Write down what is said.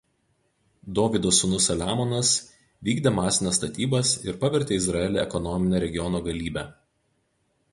Dovydo sūnus Saliamonas vykdė masines statybas ir pavertė Izraelį ekonomine regiono galybe.